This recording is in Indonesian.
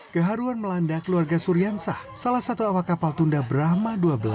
keharuan melanda keluarga suriansah salah satu awak kapal tunda brahma dua belas